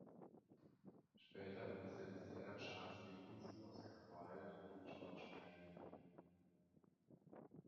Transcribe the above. Später übersetzte er Charles Dickens, Oscar Wilde und George Meredith.